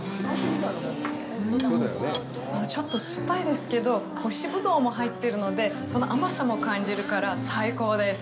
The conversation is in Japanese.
ちょっと酸っぱいですけど干しブドウも入ってるのでその甘さも感じるから最高です。